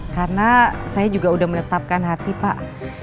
karena saya juga udah menetapkan hati pak